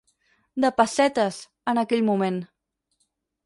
De pessetes, en aquell moment.